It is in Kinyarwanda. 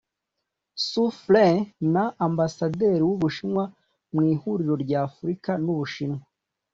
Xu Fein na Ambasaderi w’u Bushinwa mu Ihuriro rya Afurika n’u Bushinwa